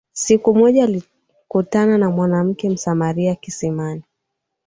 Siku moja alikutana na mwanamke msamaria kisimani.